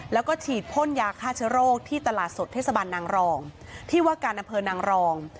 แล้วก็ฉีดพ่นยาฆ่าเชื้อโรคที่ตลาดสดเทศบาลนางรองที่ว่าการอำเภอนางรอง